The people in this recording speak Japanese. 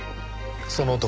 その男